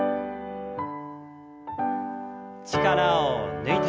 力を抜いて。